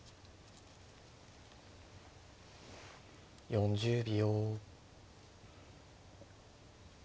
４０秒。